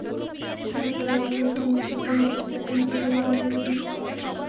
ঢাকা শহরে বসবাসরত মুক্তিযোদ্ধাদের হোল্ডিং ট্যাক্স মওকুফের ঘোষণা দিয়েছে দুই সিটি করপোরেশন।